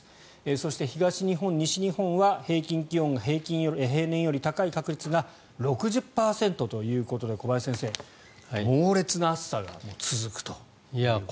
そして、東日本、西日本は平均気温が平年より高い確率が６０％ということで小林先生、猛烈な暑さが続くということですね。